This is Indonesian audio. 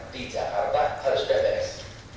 di jakarta harus bebas